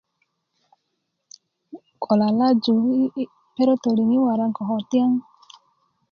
ko lalaju yi yi' perotoliŋ yi waran ko kotyaŋ